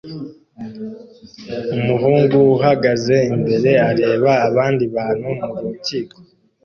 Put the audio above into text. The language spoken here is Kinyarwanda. Umuhungu uhagaze imbere areba abandi bantu murukiko